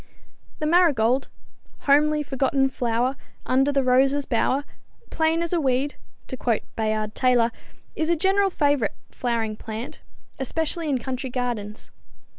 The marigold, "homely forgotten flower, under the rose's bower, plain as a weed," to quote Bayard Taylor, is a general favorite flowering plant, especially in country gardens.